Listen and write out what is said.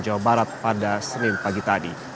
jawa barat pada senin pagi tadi